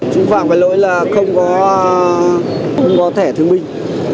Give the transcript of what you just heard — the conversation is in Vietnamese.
chú phạm phải lỗi là không có thẻ thương minh